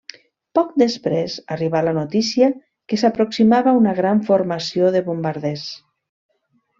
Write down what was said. Poc després, arribà la notícia que s'aproximava una gran formació de bombarders.